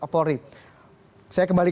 polri saya kembali